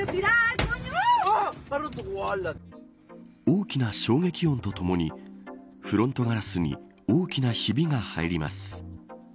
大きな衝撃音とともにフロントガラスに大きなひびが入ります。